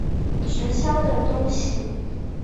直销的东西